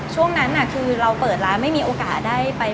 ช่วงนั้นคือเราเปิดร้านไม่มีโอกาสได้ไป